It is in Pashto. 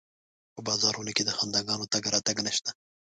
په بازارونو کې د خنداګانو تګ راتګ نشته